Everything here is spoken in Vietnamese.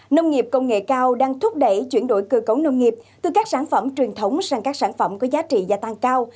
nông nghiệp công nghệ cao đang thúc đẩy chuyển đổi cơ cấu nông nghiệp từ các sản phẩm truyền thống sang các sản phẩm có giá trị gia tăng cao